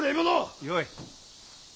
よい。